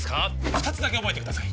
二つだけ覚えてください